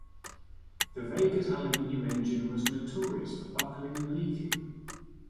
The Vega's aluminum engine was notorious for buckling and leaking.